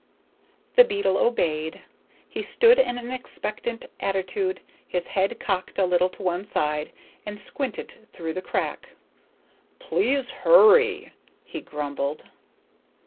The beetle obeyed. He stood in an expectant attitude, his head cocked a little to one side, and squinted through the crack. "Please hurry," he grumbled.